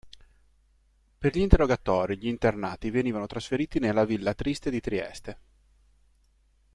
Per gli interrogatori gli internati venivano trasferiti nella Villa Triste di Trieste.